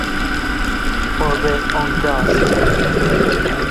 کلبه آنجا است.